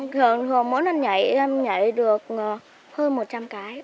thường thường mỗi lần nhảy em nhảy được hơn một trăm linh cái